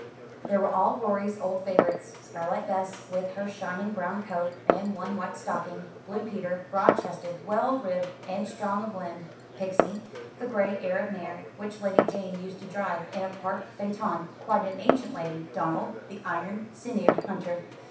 There were all Rorie's old favourites Starlight Bess, with her shining brown coat, and one white stocking; Blue Peter, broad chested, well ribbed, and strong of limb; Pixie, the gray Arab mare, which Lady Jane used to drive in a park phaeton quite an ancient lady; Donald, the iron sinewed hunter.